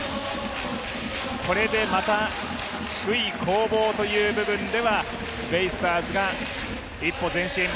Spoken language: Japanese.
これでまた首位攻防という部分ではベイスターズが一歩前進。